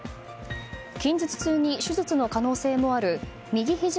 近日中に手術の可能性もある右ひじ